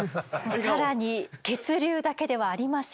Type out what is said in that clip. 更に血流だけではありません。